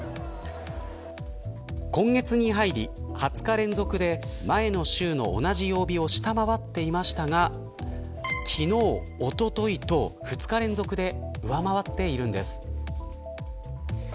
今月に入り、２０日連続で前の週の同じ曜日を下回っていましたが昨日、おとといと２日連続で上回っているんです。